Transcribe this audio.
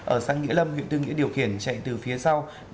ở xã nghĩa lâm huyện tư nghĩa điều khiển chạy từ phía sau